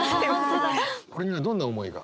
これにはどんな思いが？